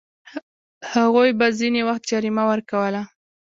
هغوی به ځینې وخت جریمه ورکوله.